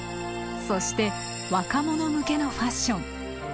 そして若者向けのファッション。